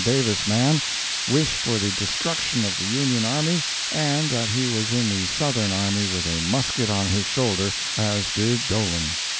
Davis man, wish for the destruction of the Union army, and that he was in the Southern army with a musket on his shoulder, as did Dolan.